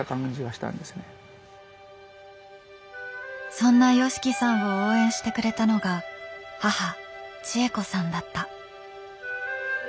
そんなＹＯＳＨＩＫＩさんを応援してくれたのが母千恵子さんだった。